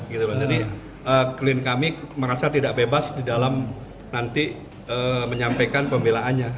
jadi klien kami merasa tidak bebas di dalam nanti menyampaikan pembelaannya